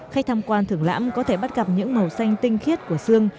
khách tham quan thưởng lãm có thể bắt gặp những màu xanh tinh khiết của xương